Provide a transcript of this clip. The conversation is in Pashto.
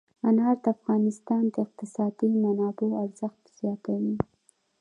انار د افغانستان د اقتصادي منابعو ارزښت زیاتوي.